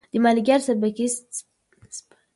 د ملکیار سبکي سپړنه د پټې خزانې له مخې شوې.